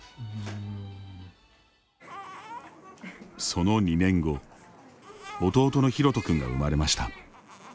その２年後弟のヒロト君が生まれました。